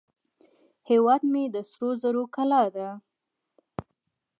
هیواد مې د سرو زرو کلاه ده